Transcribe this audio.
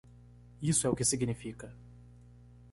Isso é o que significa!